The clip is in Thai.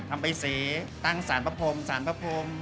ทำไปเสียตั้งสารประพม